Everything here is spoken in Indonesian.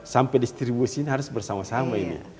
sampai distribusi ini harus bersama sama ini